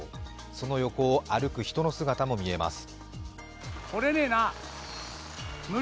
その横を歩く人の姿も見えます。